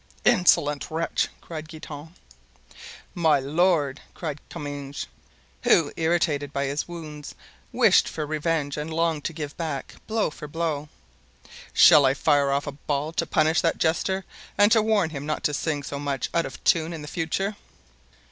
"Insolent wretch!" cried Guitant. "My lord," said Comminges, who, irritated by his wounds, wished for revenge and longed to give back blow for blow, "shall I fire off a ball to punish that jester, and to warn him not to sing so much out of tune in the future?"